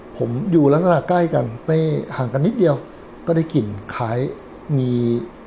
ผมอยู่ลักษณะใกล้กันไม่ห่างกันนิดเดียวก็ได้กลิ่นคล้ายมี